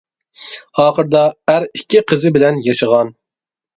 ئاخىرىدا ئەر ئىككى قىزى بىلەن ياشىغان.